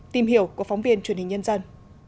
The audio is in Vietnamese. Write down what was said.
tìm hiểu của phóng viên truyền hình nhân dân